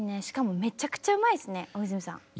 しかもめちゃくちゃうまいですね大泉さん。